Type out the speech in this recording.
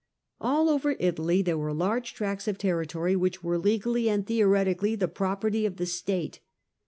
r^All over Italy there were large tracts of territory which were legally and theoretically the property of the state.